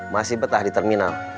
masih betah di terminal